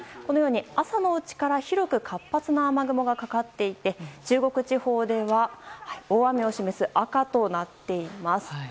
朝のうちから広く活発な雨雲がかかっていて中国地方では大雨を示す赤となっています。